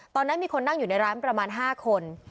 ตอนนั้นมีคนนั่งอยู่ในร้านประมาณ๕คน